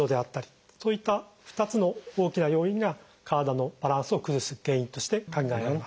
そういった２つの大きな要因が体のバランスを崩す原因として考えられます。